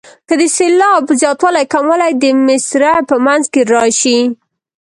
که د سېلاب زیاتوالی او کموالی د مصرع په منځ کې راشي.